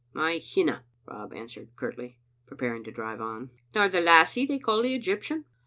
"I hinna,'' Rob answered curtly, preparing to drive on. " Nor the lassie they call the Egyptian?"